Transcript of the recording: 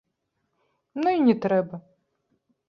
Ну і не трэба!